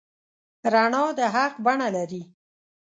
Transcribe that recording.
رڼا د حق بڼه لري.